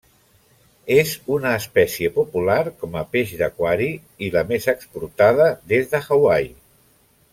És una espècie popular com a peix d'aquari i la més exportada des de Hawaii.